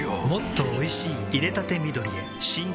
もっとおいしい淹れたて緑へ新！